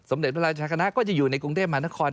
เด็จพระราชคณะก็จะอยู่ในกรุงเทพมหานคร